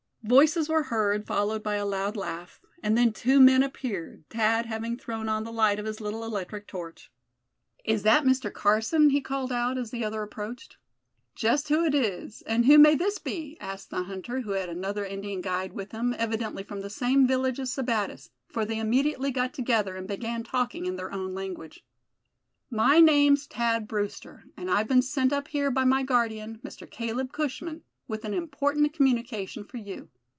Voices were heard, followed by a loud laugh; and then two men appeared, Thad having thrown on the light of his little electric torch. "Is that Mr. Carson?" he called out, as the other approached. "Just who it is; and who may this be?" asked the hunter, who had another Indian guide with him, evidently from the same village as Sebattis, for they immediately got together, and began talking in their own language. "My name's Thad Brewster, and I've been sent up here by my guardian, Mr. Caleb Cushman, with an important communication for you.